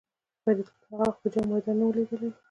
فریدګل هغه وخت د جنګ میدان نه و لیدلی